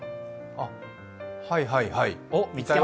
あ、はいはいはい。